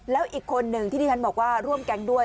แล้วอีกคนหนึ่งที่ที่ฉันบอกว่าร่วมแก๊งด้วย